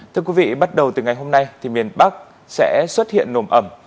thưa quý vị bắt đầu từ ngày hôm nay thì miền bắc sẽ xuất hiện nồm ẩm